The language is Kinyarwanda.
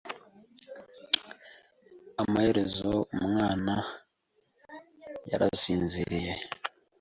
Amaherezo, umwana yarasinziriye.